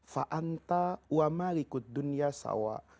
fa anta uama likut dunia sawa